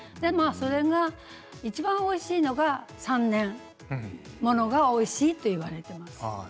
それがいちばんおいしいのが３年物がおいしいといわれています。